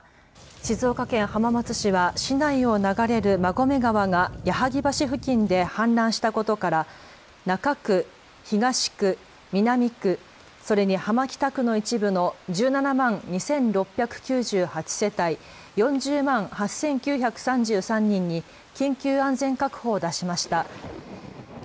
静岡県浜松市は、市内を流れる馬込川と矢はぎ橋付近で氾濫したことから中区、東区、南区それに、浜北区の一部の１７万２６９８世帯４０万８９３３人に緊急安全確保を出しました。